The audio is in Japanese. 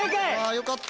よかった。